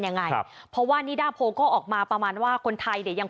ยังไงครับเพราะว่านิดาโพก็ออกมาประมาณว่าคนไทยเนี่ยยัง